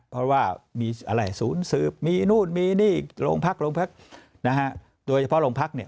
เพราะว่ามีอะไรศูนย์สืบมีนู่นมีนี่โรงพักโรงพักนะฮะโดยเฉพาะโรงพักเนี่ย